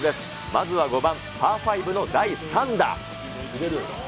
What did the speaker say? まずは５番、パー５の第３打。